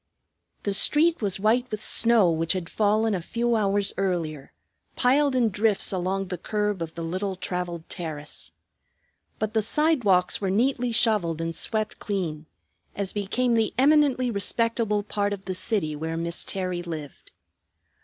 The street was white with snow which had fallen a few hours earlier, piled in drifts along the curb of the little traveled terrace. But the sidewalks were neatly shoveled and swept clean, as became the eminently respectable part of the city where Miss Terry lived.